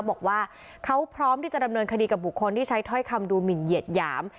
บอกว่าเขาพร้อมที่จะดำเนินคดีกับบุคคลที่ใช้ถ้อยคำดูหมินเหยียดหยาม